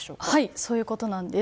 そういうことなんです。